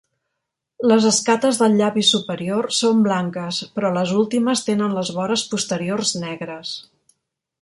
Les escates del llavi superior són blanques, però les últimes tenen les vores posteriors negres.